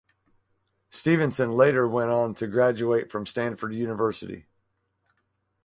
Stevenson later went on to graduate from Stanford University.